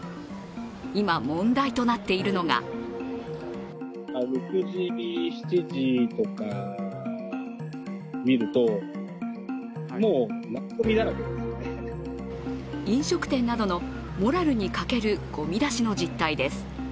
今、問題となっているのが飲食店などのモラルに欠けるごみ出しの実態です。